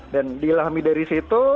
dan diilhami dari situ